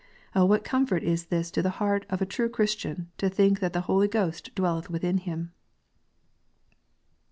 Oh, what comfort is this to the heart of a true Christian, to think that the Holy Ghost dwelleth within him